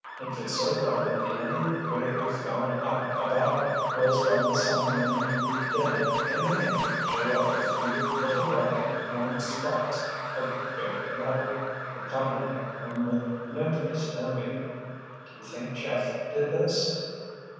It fits so well that the only way I found out about it was by the sun making the dent in the paint show up a few little bright worn spots of bare metal." They complimented him with no trace of envy. "Do you think Jeff did this?"